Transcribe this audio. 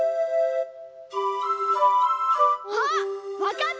あっわかった！